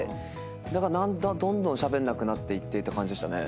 だからどんどんしゃべんなくなっていってって感じでしたね。